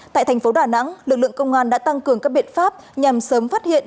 tại thành phố đà nẵng lực lượng công an đã tăng cường các biện pháp nhằm sớm phát hiện